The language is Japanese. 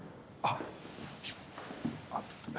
あっ。